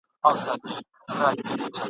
د ژوندون کلونه باد غوندي چلیږي !.